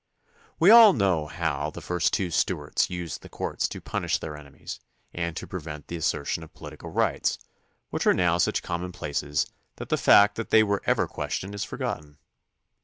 We all know how the first two Stuarts used the courts to punish their enemies and to prevent the as sertion of political rights, which are now such common places that the fact that they were ever questioned is forgotten.